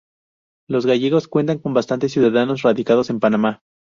Los gallegos cuentan con bastantes ciudadanos radicados en Panamá.